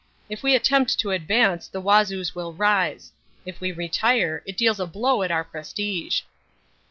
If we attempt to advance the Wazoos will rise. If we retire it deals a blow at our prestige."